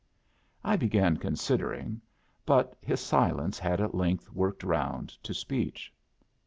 I began considering; but his silence had at length worked round to speech.